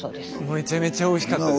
めちゃめちゃおいしかったです。